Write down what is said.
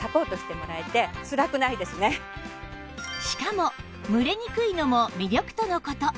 しかも蒸れにくいのも魅力との事